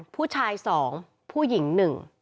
ผู้ชายสองผู้หญิงหนึ่ง